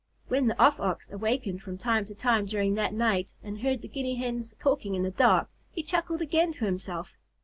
When the Off Ox awakened from time to time during that night and heard the Guinea Hens talking in the dark, he chuckled again to himself.